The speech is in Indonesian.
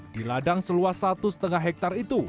di ladang seluas satu lima hektare itu